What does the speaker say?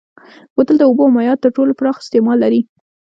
بوتل د اوبو او مایعاتو تر ټولو پراخ استعمال لري.